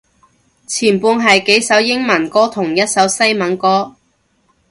前半係幾首英文歌同一首西文歌